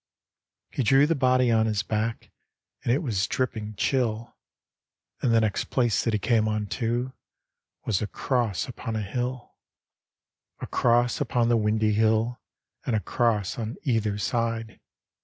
He drew the body on his back And it was drippping chill, And the next place that he came unto Was a Cross upon a hill. A Cross upCBi the windy hill, And a Cross on either side.